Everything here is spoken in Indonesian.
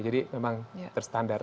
jadi memang terstandar